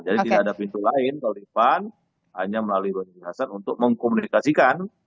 jadi tidak ada pintu lain kalau di pan hanya melalui bang zulkifli hasan untuk mengkomunikasikan